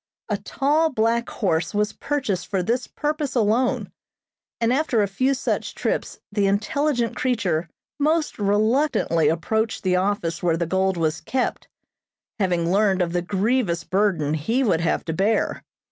A tall, black horse was purchased for this purpose alone, and after a few such trips the intelligent creature most reluctantly approached the office where the gold was kept, having learned of the grievous burden he would have to bear.